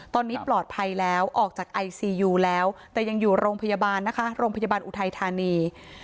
ตอนนี้ปลอดภัยแล้วออกจากไอซียูแล้วแต่ยังอยู่โรงพยาบาลนะคะโรงพยาบาลอุทัยธานี